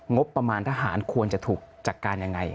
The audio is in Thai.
งบประมาณทหารควรจะถูกจัดการยังไง